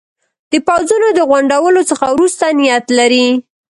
د پوځونو د غونډولو څخه وروسته نیت لري.